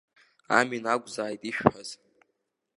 Амин ақәзааит ишәҳәаз.